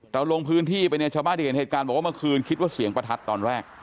ชาวบ้านเห็นเหตุการณ์บอกว่าเมื่อคืนคิดว่าเสียงประทัดตอนแรก